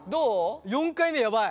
４回目ヤバい。